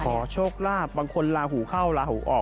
โชคลาภบางคนลาหูเข้าลาหูออก